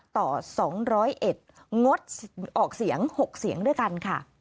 ต่อ๒๐๑งดออกเสียง๖เสียงด้วยกันค่ะ